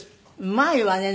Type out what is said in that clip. うまいわね。